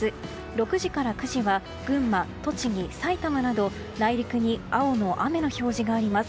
６時から９時は群馬、栃木、さいたまなど内陸に青の雨の表示があります。